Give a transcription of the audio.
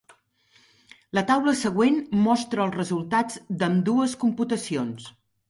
La taula següent mostra els resultats d'ambdues computacions.